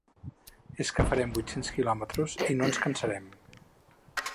És que farem vuit-cents quilòmetres i no ens cansarem .